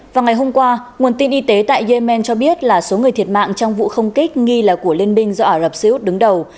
vào ngày hôm qua nguồn tin y tế tại yemen cho biết là số người thiệt mạng trong vụ không kích nghi là của liên minh do ả rập xê út đứng đầu